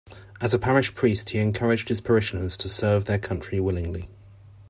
As parish priest, he encouraged his parishioners to serve their country willingly.